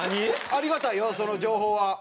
ありがたいよその情報は。